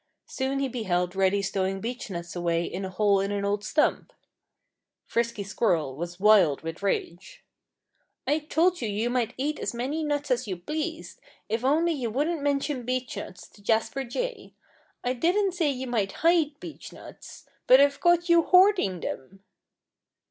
Soon he beheld Reddy stowing beechnuts away in a hole in an old stump. Frisky Squirrel was wild with rage. "I told you you might eat as many nuts as you pleased, if only you wouldn't mention beechnuts to Jasper Jay. I didn't say you might hide beechnuts. But I've caught you hoarding them!"